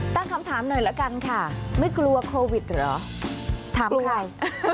ตั้งคำถามหน่อยละกันค่ะไม่กลัวโควิดเหรอถามใคร